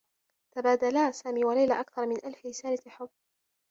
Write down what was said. تبادلا سامي و ليلى أكثر من ألف رسالة حبّ.